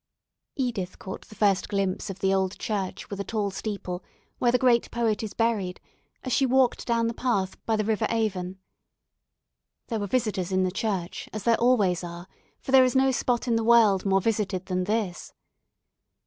Edith caught the first glimpse of the old church with a tall steeple, where the great poet is buried, as she walked down the path by the river Avon. There were visitors in the church, as there always are, for there is no spot in the world more visited than this.